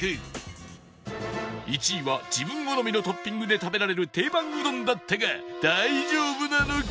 １位は自分好みのトッピングで食べられる定番うどんだったが大丈夫なのか？